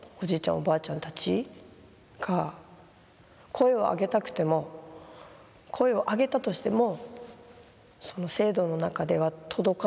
おばあちゃんたちが声をあげたくても声をあげたとしても制度の中では届かない場所に生きている。